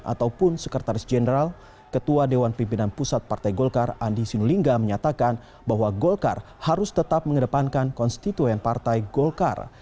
ataupun sekretaris jenderal ketua dewan pimpinan pusat partai golkar andi sinulinga menyatakan bahwa golkar harus tetap mengedepankan konstituen partai golkar